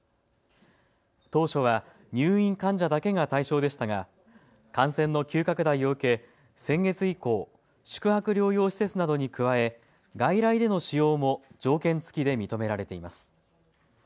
当初は入院患者だけが対象でしたが感染の急拡大を受け先月以降、宿泊療養施設などに加え外来での使用も条件付きで認められています。